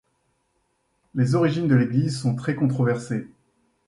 Les origines de l’église sont très controversées.